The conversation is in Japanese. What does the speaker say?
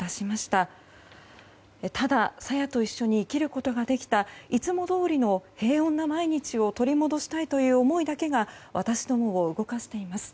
ただ、朝芽と一緒に生きることができたいつもどおりの平穏な毎日を取り戻したいという思いだけが私どもを動かしています。